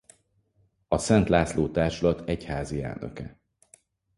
A Szent László Társulat egyházi elnöke.